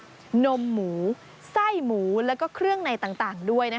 นมหมูไส้หมูแล้วก็เครื่องในต่างด้วย